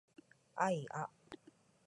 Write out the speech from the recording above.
あいあ